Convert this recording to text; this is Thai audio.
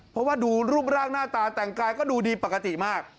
เพราะว่าดูรูปร่างหน้าตาแต่งกายก็ดูดีปกติมาก